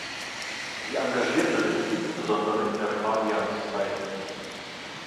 Sie engagierte sich insbesondere in der Fabian Society.